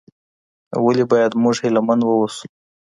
ولي بايد موږ هيله من واوسو؟